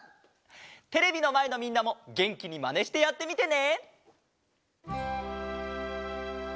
テレビのまえのみんなもげんきにまねしてやってみてね！